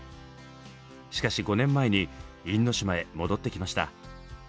しかし５年前に因島へ戻ってきました。